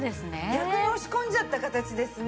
逆に押し込んじゃった形ですね。